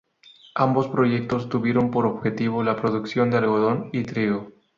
Ambos proyectos tuvieron por objetivo la producción de algodón y trigo.